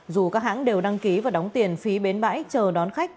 dù các hãng đều đăng ký và đóng tiền phí bến bãi chờ đón khách